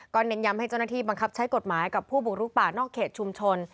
เน้นย้ำให้เจ้าหน้าที่บังคับใช้กฎหมายกับผู้บุกลุกป่านอกเขตชุมชน